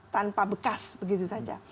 tanpa bekas begitu saja